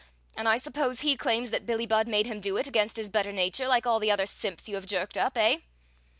And I suppose he claims that Billie Budd made him do it, against his better nature, like all the other simps you have jerked up, eh?"